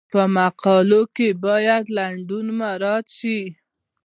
په مقالو کې باید لنډون مراعات شي.